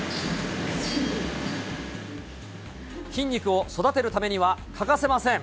筋肉を育てるためには欠かせません。